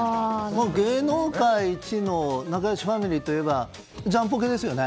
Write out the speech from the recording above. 芸能界一の仲良しファミリーといえばジャンポケですよね。